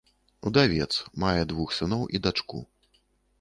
Удавец, мае двух сыноў і дачку.